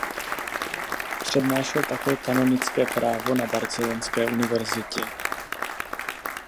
Přednášel také kanonické právo na barcelonské univerzitě.